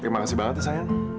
terima kasih banget ya sayang